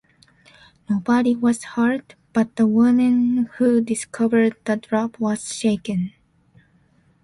Nobody was hurt, but the woman who discovered the drop was shaken.